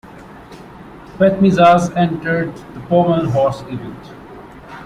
Petmezas entered the pommel horse event.